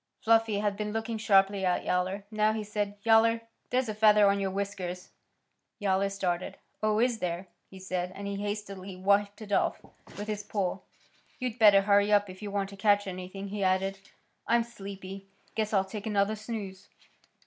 Fluffy had been looking sharply at Yowler. Now he said, "Yowler, there's a feather on your whiskers." Yowler started. "Oh, is there?" he said, and he hastily wiped it off with his paw. "You'd better hurry up if you want to catch anything." He added. "I'm sleepy. Guess I'll take another snooze."